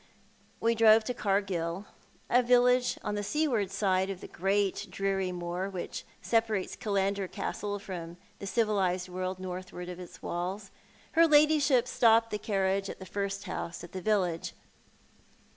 We drove to Cargill, a village on the seaward side of the great dreary moor which separates Killander Castle from all tbe civilised world nortliward of its walls. Her ladyship stopped the carriage at the first house in the village.